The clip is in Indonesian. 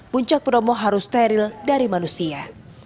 puncak bromo harus steril dari manusia